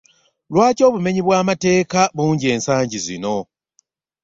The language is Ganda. Lwaki obumenyi bw'amateeka bungi ensangi zino?